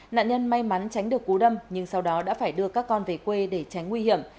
nạn nhân may mắn tránh được cú đâm nhưng sau đó đã phải đưa các con về quê để tránh nguy hiểm